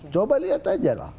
coba lihat aja lah